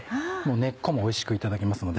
根っこもおいしくいただけますので。